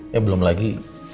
ya belum lagi